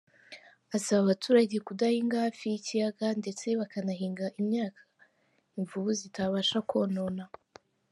Asaba abaturage kudahinga hafi y’ikiyaga, ndetse bakanahinga imyaka imvubu zitabasha kona.